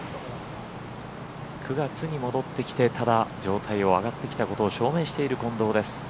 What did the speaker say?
９月に戻ってきてただ状態が上がってきたことを証明している近藤です。